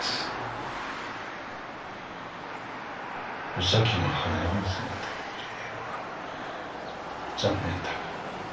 お咲の花嫁姿を見れねえのは残念だが。